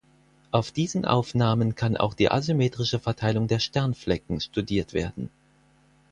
Auf diesen Aufnahmen kann auch die asymmetrische Verteilung der Sternflecken studiert werden.